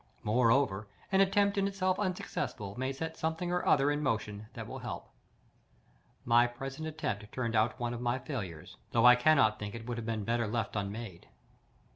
Moreover, an attempt in itself unsuccessful may set something or other in motion that will help. My present attempt turned out one of my failures, though I cannot think that it would have been better left unmade.